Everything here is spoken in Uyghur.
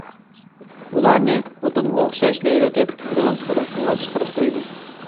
ئۇلارنى ئوتۇنغا ئوخشاش لەيلىتىپ دېڭىز قىرغىقىغا چىقىرىپ قۇيىدۇ.